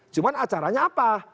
cuman acaranya apa